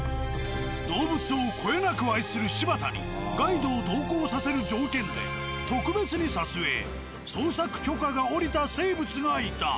動物をこよなく愛する柴田にガイドを同行させる条件で特別に撮影・捜索許可が下りた生物がいた。